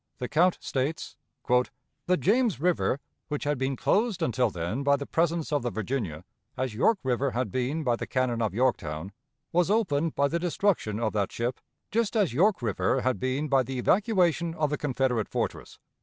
The Count states: "The James River, which had been closed until then by the presence of the Virginia, as York River had been by the cannon of Yorktown, was opened by the destruction of that ship, just as York River had been by the evacuation of the Confederate fortress.